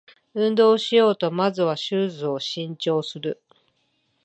運動しようとまずはシューズを新調する